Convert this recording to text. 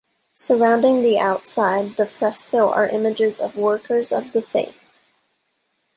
Surrounding the outside the fresco are images of workers of the faith.